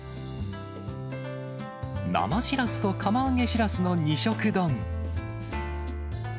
生しらすと釜揚げしらすの２色丼。